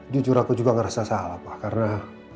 jujur aku juga ngerasa salah pak karena